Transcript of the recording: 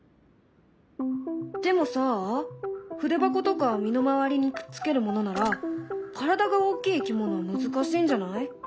でもさ筆箱とか身の回りにくっつけるものなら体が大きいいきものは難しいんじゃない？